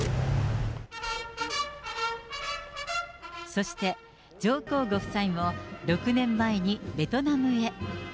そして、上皇ご夫妻も６年前にベトナムへ。